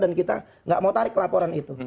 dan kita nggak mau tarik laporan itu